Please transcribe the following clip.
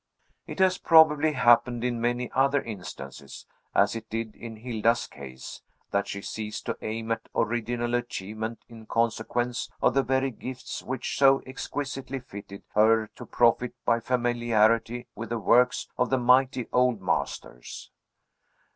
It has probably happened in many other instances, as it did in Hilda's case, that she ceased to aim at original achievement in consequence of the very gifts which so exquisitely fitted her to profit by familiarity with the works of the mighty old masters.